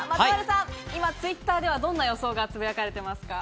今、Ｔｗｉｔｔｅｒではどんな予想がつぶやかれていますか？